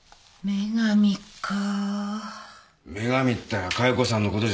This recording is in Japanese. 女神ったら加代子さんのことじゃないの？